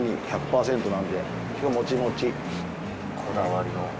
こだわりの。